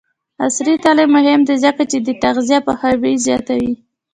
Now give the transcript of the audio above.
عصري تعلیم مهم دی ځکه چې د تغذیه پوهاوی زیاتوي.